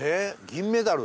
銀メダル。